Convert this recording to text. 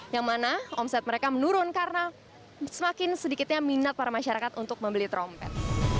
yang mana omset mereka menurun karena semakin sedikitnya minat para masyarakat untuk membeli trompet